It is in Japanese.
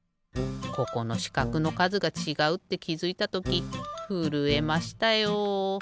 ここのしかくのかずがちがうってきづいたときふるえましたよ。